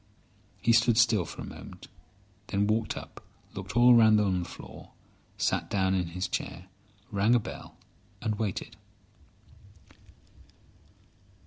He stood still for a moment, then walked up, looked all round on the floor, sat down in his chair, rang a bell, and waited.